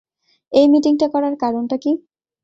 এই মিটিংটা করার কারণটা কি?